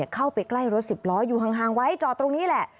เข้าไปใกล้รถสิบล้ออยู่ห่างไว้จอดตรงนี้แหละ